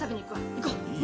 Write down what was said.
行こうね！